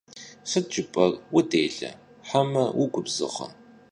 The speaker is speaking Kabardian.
Sıt jjıp'er? Vudêle heme vugubzığe?